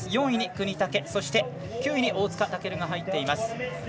４位に國武そして９位に大塚健が入っています。